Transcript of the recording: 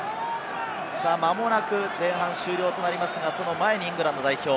まもなく前半終了となりますが、その前にイングランド代表。